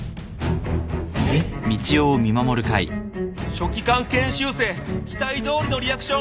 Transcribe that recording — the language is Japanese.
・「書記官研修生期待どおりのリアクション」